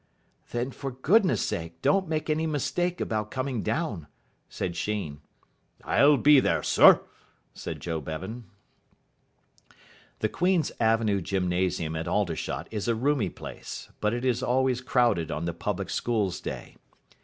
"Then, for goodness' sake, don't make any mistake about coming down," said Sheen. "I'll be there, sir," said Joe Bevan. The Queen's Avenue Gymnasium at Aldershot is a roomy place, but it is always crowded on the Public Schools' Day.